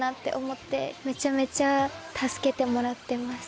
めちゃめちゃ助けてもらってます。